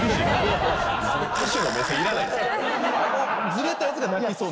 あのずれたやつが泣きそうに。